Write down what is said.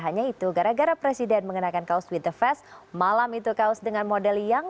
hanya itu gara gara presiden mengenakan kaos with the fest malam itu kaos dengan model yang